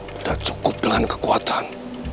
tidak cukup dengan kekuatan